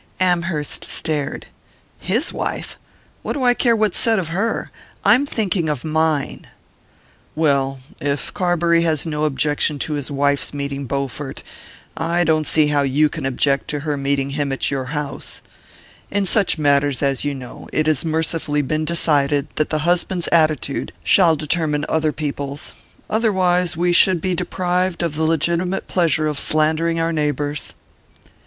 Amherst stared. "His wife? What do I care what's said of her? I'm thinking of mine!" "Well, if Carbury has no objection to his wife's meeting Bowfort, I don't see how you can object to her meeting him at your house. In such matters, as you know, it has mercifully been decided that the husband's attitude shall determine other people's; otherwise we should be deprived of the legitimate pleasure of slandering our neighbours."